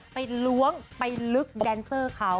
ล้วงไปลึกแดนเซอร์เขา